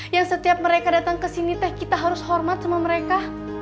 yang setiap mereka datang ke sini teh kita harus hormat sama mereka